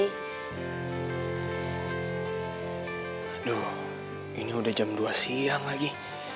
aduh ini udah jam dua siang lagi